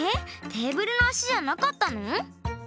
テーブルのあしじゃなかったの？